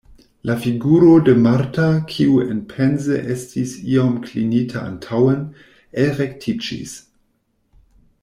La figuro de Marta, kiu enpense estis iom klinita antaŭen, elrektiĝis.